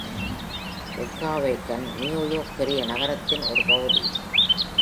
Weehawken New York பெருநகரத்தின் ஒரு பகுதி.